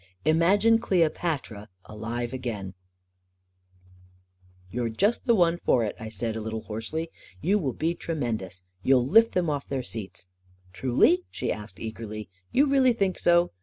Imagine Cleopatra alive again ..." You're just the one for it," I said, a little hoarsely. " You will be tremendous ! You'll lift them off their seats !" 44 Truly? " she asked, eagerly. " You really think so?"